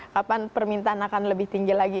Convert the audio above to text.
kapan permintaan akan lebih tinggi lagi